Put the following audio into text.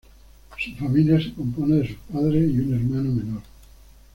Su familia se compone de sus padres y un hermano menor.